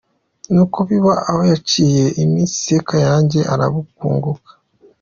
Nuko biba aho; haciyeho iminsi Sekayange arabunguka.